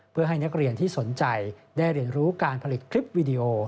เพื่อให้นักเรียนที่สนใจได้เรียนรู้การผลิตคลิปวิดีโอ